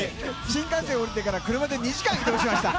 新幹線降りてから車で２時間移動しました。